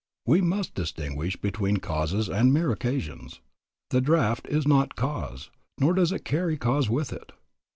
We must distinguish between causes and mere occasions. The draft is not cause, nor does it carry cause with it.